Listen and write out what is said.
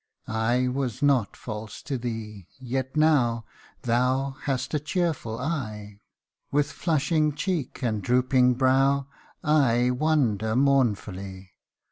I was not false to thee, yet now Thou hast a cheerful eye, With flushing cheek and drooping brow / wander mournfully.